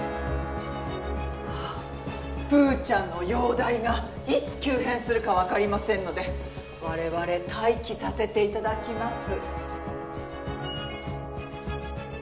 あぁプーちゃんの容体がいつ急変するかわかりませんので我々待機させていただきます。